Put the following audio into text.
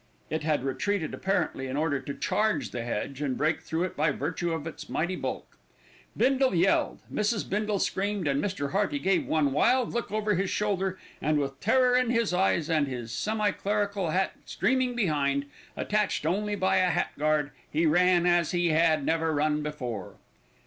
It had retreated apparently in order to charge the hedge and break through by virtue of its mighty bulk. Bindle yelled, Mrs. Bindle screamed, and Mr. Hearty gave one wild look over his shoulder and, with terror in his eyes and his semi clerical hat streaming behind, attached only by a hat guard, he ran as he had never run before.